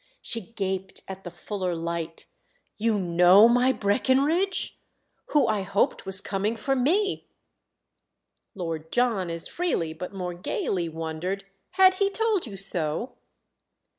She gaped at the fuller light "You know my Breckenridge?—who I hoped was coming for me!" Lord John as freely, but more gaily, wondered. "Had he told you so?"